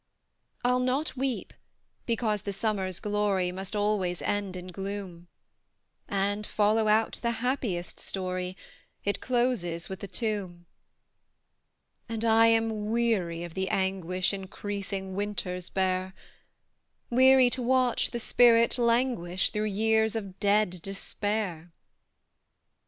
I'll not weep, because the summer's glory Must always end in gloom; And, follow out the happiest story It closes with a tomb! And I am weary of the anguish Increasing winters bear; Weary to watch the spirit languish Through years of dead despair.